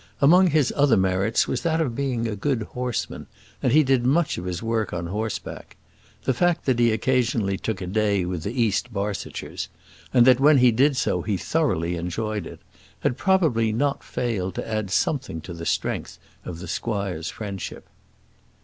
Among his other merits was that of being a good horseman, and he did much of his work on horseback. The fact that he occasionally took a day with the East Barsetshires, and that when he did so he thoroughly enjoyed it, had probably not failed to add something to the strength of the squire's friendship.